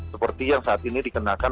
seperti yang saat ini dikenakan